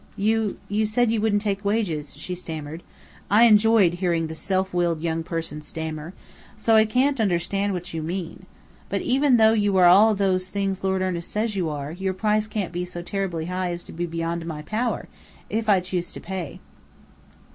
"You you said you wouldn't take wages," she stammered (I enjoyed hearing the self willed young person stammer): "so I can't understand what you mean. But even though you are all those things Lord Ernest says you are, your price can't be so terribly high as to be beyond my power to pay if I choose to pay."